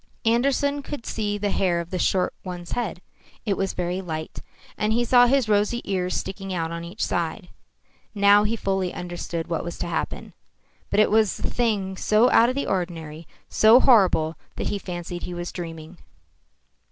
Andersen could see the hair of the short one's head. It was very light. And he saw his rosy ears sticking out on each side. Now he fully understood what was to happen. But it was a thing so out of the ordinary, so horrible, that he fancied he was dreaming.